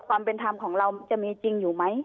ความเป็นธรรมของเราจะมีจริงอยู่ไหม